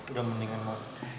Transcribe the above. udah mendingan mau